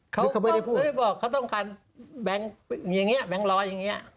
เขาไม่ได้บอกเขาต้องการแบงค์ร้อยอย่างนี้